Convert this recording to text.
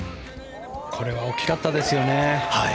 これは大きかったですよね。